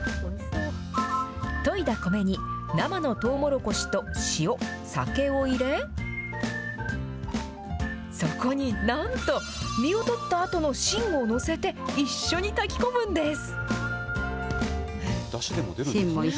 といだ米に、生のとうもろこしと塩、酒を入れ、そこになんと、実を取ったあとの芯を載せて、一緒に炊き込むんです。